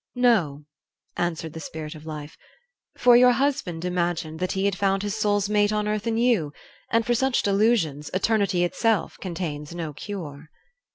"No," answered the Spirit of Life, "for your husband imagined that he had found his soul's mate on earth in you; and for such delusions eternity itself contains no cure."